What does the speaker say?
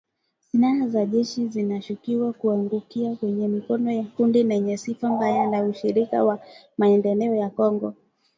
Silaha za jeshi zinashukiwa kuangukia kwenye mikono ya kundi lenye sifa mbaya la Ushirika kwa Maendeleo ya Kongo,